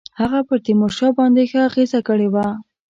هغه پر تیمورشاه باندي ښه اغېزه کړې وه.